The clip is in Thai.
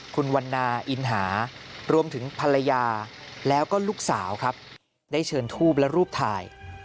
คุณวันนาอินหารวมถึงภรรยาแล้วก็ลูกสาวครับได้เชิญทูปและรูปถ่าย